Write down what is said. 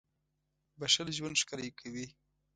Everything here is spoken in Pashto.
• بښل ژوند ښکلی کوي.